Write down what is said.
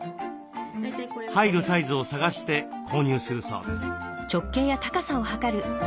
入るサイズを探して購入するそうです。